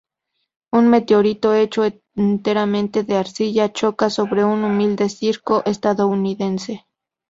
Un meteorito hecho enteramente de arcilla choca sobre un humilde circo estadounidense.